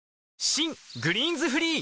新「グリーンズフリー」